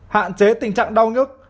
hạn chế tình trạng đau nhức